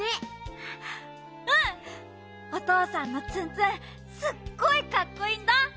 おとうさんのツンツンすっごいかっこいいんだ！